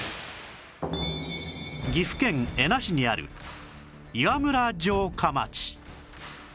岐阜県恵那市にある岩村城下町